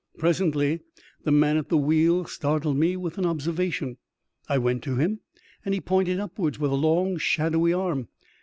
Presently, the man at the wheel startled me with an observation. I went to him, and he pointed upwards, with a long shadowy arm.